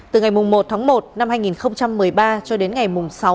từ ngày một một hai nghìn một mươi ba cho đến ngày sáu ba hai nghìn một mươi ba